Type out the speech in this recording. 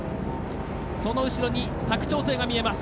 その後ろ、佐久長聖が見えます。